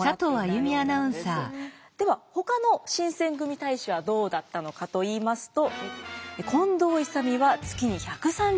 ではほかの新選組隊士はどうだったのかといいますと。